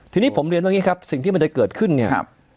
ทีนี้ผมเรียนว่าอย่างนี้ครับสิ่งที่มันจะเกิดขึ้นเนี่ย